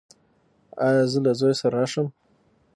ایا زه له زوی سره راشم؟